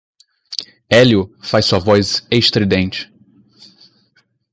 Hélio faz sua voz estridente.